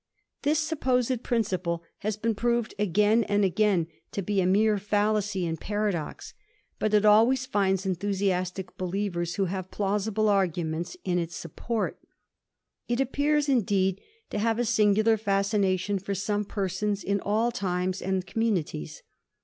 This supposed principle has been proved again and again to be a mere fallacy and paradox; but it always finds enthusiastic believers who have plau sible arguments in its support. It appears, indeed, to have a singular fascination for some persons in all times and communities.